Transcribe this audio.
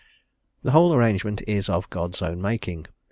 The whole arrangement is of God's own making.